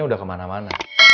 ini udah kemana mana